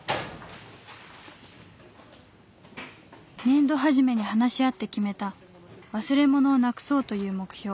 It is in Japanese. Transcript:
年度初めに話し合って決めた忘れ物をなくそうという目標。